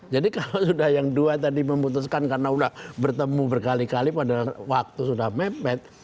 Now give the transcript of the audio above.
jadi kalau sudah yang dua tadi memutuskan karena sudah bertemu berkali kali padahal waktu sudah mepet